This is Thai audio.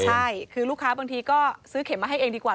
ใช่คือลูกค้าบางทีก็ซื้อเข็มมาให้เองดีกว่า